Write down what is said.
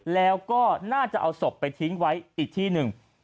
แล้วก็น่าจะเอาศพไปทิ้งไว้อีกที่หนึ่ง